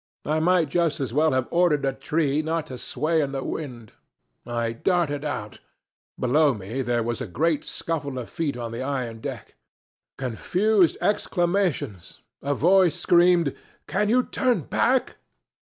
I might just as well have ordered a tree not to sway in the wind. I darted out. Below me there was a great scuffle of feet on the iron deck; confused exclamations; a voice screamed, 'Can you turn back?'